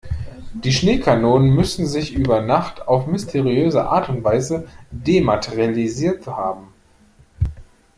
Die Schneekanonen müssen sich über Nacht auf mysteriöse Art und Weise dematerialisiert haben.